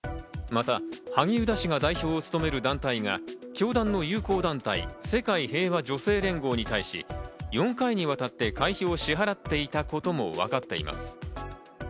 また萩生田氏が代表を務める団体が教団の友好団体・世界平和女性連合に対し、４回にわたって会費を支払っていたこともわかっています。